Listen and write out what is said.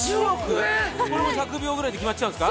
これも１００秒ぐらいで決まっちゃうんですか？